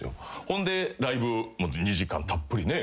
ほんでライブ２時間たっぷりね